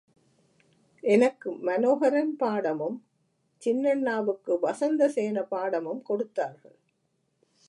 எனக்கு மனேஹரன் பாடமும் சின்னண்ணாவுக்கு வசந்தசேன பாடமும் கொடுத்தார்கள்.